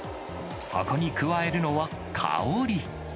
そこに加えるのは香り。